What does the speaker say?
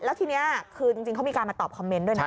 แล้วทีนี้คือจริงเขามีการมาตอบคอมเมนต์ด้วยนะ